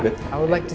saya baik baik saja